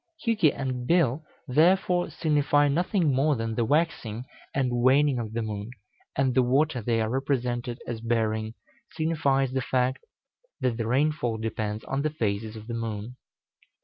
Hjuki and Bil, therefore, signify nothing more than the waxing and waning of the moon, and the water they are represented as bearing signifies the fact that the rainfall depends on the phases of the moon.